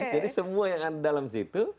jangan dalam situ